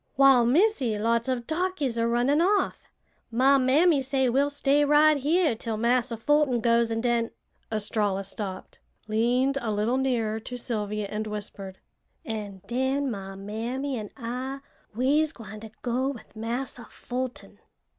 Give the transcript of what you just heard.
"Wal, Missy, lots of darkies are runnin' off! My mammy say we'll stay right here 'til Massa Fulton goes, an' den" Estralla stopped, leaned a little nearer to Sylvia and whispered, "an' den my mammy an' I we'se gwine to go with Massa Fulton."